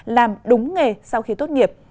làm đúng nghề sau khi tốt nghiệp